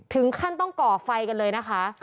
ถึงขั้นต้องก่อไฟกันเลยนะคะ